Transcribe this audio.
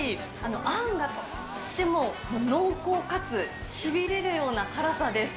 あんがとっても濃厚かつしびれるような辛さです。